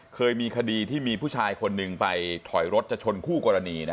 เคยมีคดีที่มีผู้ชายคนหนึ่งไปถอยรถจะชนคู่กรณี